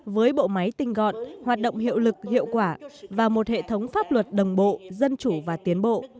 với bộ máy tinh gọn hoạt động hiệu lực hiệu quả và một hệ thống pháp luật đồng bộ dân chủ và tiến bộ